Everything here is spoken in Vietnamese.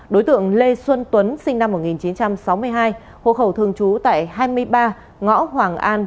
đối tượng lê xuân tuấn sinh năm một nghìn chín trăm sáu mươi hai hộ khẩu thường trú tại hai mươi ba ngõ hoàng an